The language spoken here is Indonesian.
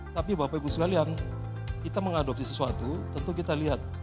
tapi bapak ibu sekalian kita mengadopsi sesuatu tentu kita lihat